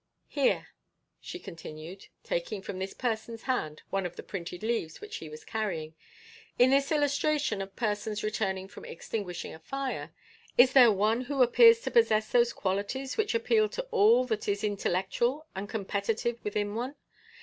Here," she continued, taking from this person's hand one of the printed leaves which he was carrying, "in this illustration of persons returning from extinguishing a fire, is there one who appears to possess those qualities which appeal to all that is intellectual and competitive within one?